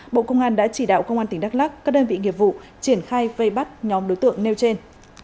bộ công an đã chỉ đạo công an tỉnh đắk lắc các đơn vị nghiệp vụ triển khai vây bắt nhóm đối tượng nêu trên